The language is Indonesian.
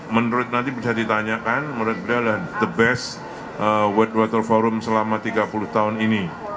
menurut nanti bisa ditanyakan menurut beliau dan the best world water forum selama tiga puluh tahun ini